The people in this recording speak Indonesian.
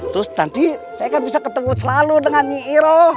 terus nanti saya kan bisa ketemu selalu dengan niiro